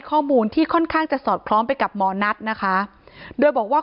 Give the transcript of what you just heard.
ข้อมูลที่ค่อนข้างจะสอดคล้องไปกับหมอนัทนะคะโดยบอกว่า